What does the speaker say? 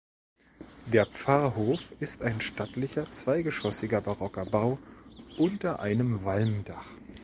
Der Pfarrhof ist ein stattlicher zweigeschoßiger barocker Bau unter einem Walmdach.